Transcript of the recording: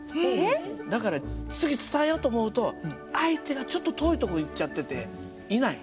だから次伝えようと思うと相手がちょっと遠いとこ行っちゃってていない。